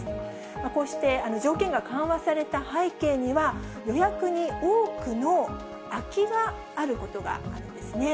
こうして条件が緩和された背景には、予約に多くの空きがあることがあるんですね。